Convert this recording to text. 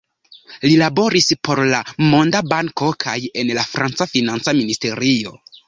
Li laboris por la Monda Banko kaj en la franca financa ministerio.